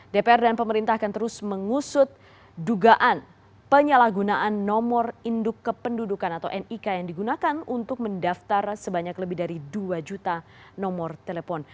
dpr dan pemerintah akan terus mengusut dugaan penyalahgunaan nomor induk kependudukan atau nik yang digunakan untuk mendaftar sebanyak lebih dari dua juta nomor telepon